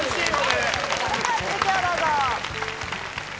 それでは、続きをどうぞ。